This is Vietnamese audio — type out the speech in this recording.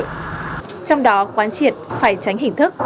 trong đó quán triển phải tránh hình thức